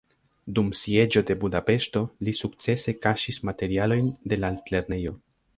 Dum sieĝo de Budapeŝto li sukcese kaŝis materialojn de la altlernejo.